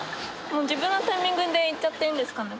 もう自分のタイミングで行っちゃっていいんですかね。